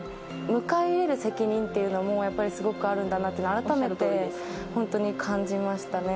迎え入れる責任っていうのも、やっぱりすごくあるんだなというのを、改めて本当に感じましたね。